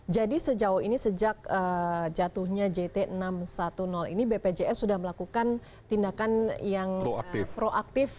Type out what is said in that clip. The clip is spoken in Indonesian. jadi sejauh ini sejak jatuhnya jt enam ratus sepuluh ini bpjs sudah melakukan tindakan yang proaktif